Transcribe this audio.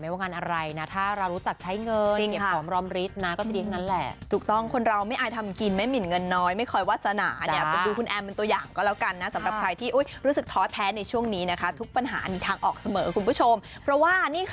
ไม่มีหรอกครับเป็นในการที่จะเจอลูกค้าแบบนั้นยากมากครับ